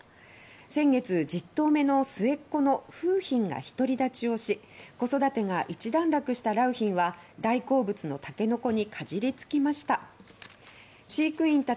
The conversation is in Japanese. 先月、１０頭目の末っ子の楓浜がひとり立ちをし子育てが一段落した良浜は大好物のタケノコにかじりつきおいしそうに頬張っていました。